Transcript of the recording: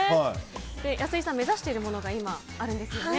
安井さん、目指しているものがあるんですよね。